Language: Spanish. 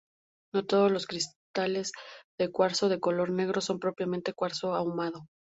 No todos los cristales de cuarzo de color negro son propiamente cuarzo ahumado.